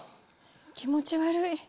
気持ち悪い。